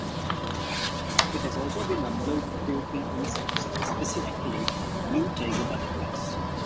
It has also been observed taking insects, specifically blue tiger butterflies.